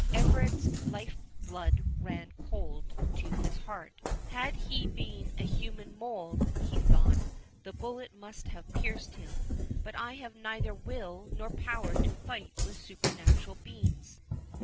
Everard's life blood ran cold to his heart—"Had he been of human mould," he thought, "the bullet must have pierced him—but I have neither will nor power to fight with supernatural beings."